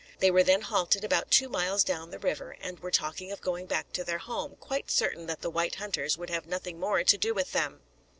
They were then halted about two miles down the river, and were talking of going back to their home, quite certain that the white hunters would have nothing more to do with them.